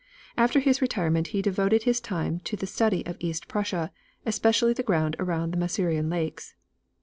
After his retirement he devoted his time to the study of East Prussia, especially the ground around the Masurian Lakes.